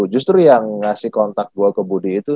justru yang ngasih kontak gue ke budi itu